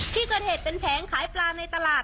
ที่เกิดเหตุเป็นแผงขายปลาในตลาด